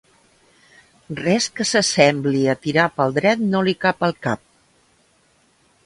Res que s'assembli a tirar pel dret no li cap al cap.